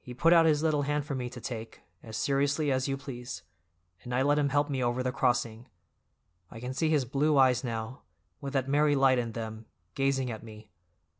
He put out his little hand for me to take, as seriously as you please, and I let him help me over the crossing. I can see his blue eyes now, with that merry light in them, gazing at me.